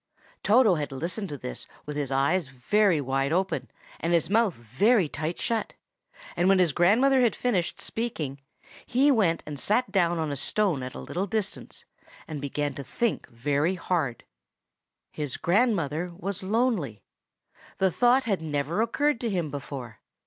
Toto had listened to this with his eyes very wide open, and his mouth very tight shut; and when his grandmother had finished speaking, he went and sat down on a stone at a little distance, and began to think very hard. His grandmother was lonely. The thought had never occurred to him before.